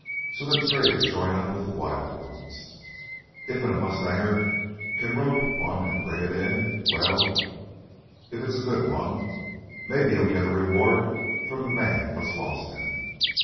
So them strays join up with th' wild ones. Iffen a mustanger can rope him one an' bring it in ... well, if it's a good one, maybe so he'll git a reward from th' man what's lost him.